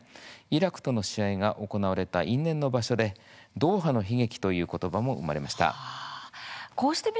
イラクとの試合が行われた因縁の場所でドーハの悲劇という言葉も生まれました。